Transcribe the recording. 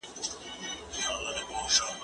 زه کولای سم پلان جوړ کړم؟!